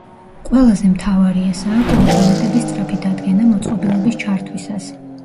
ყველაზე მთავარი ესაა კოორდინატების სწრაფი დადგენა მოწყობილობის ჩართვისას.